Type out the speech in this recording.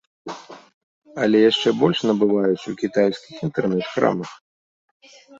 Але яшчэ больш набываюць у кітайскіх інтэрнэт-крамах.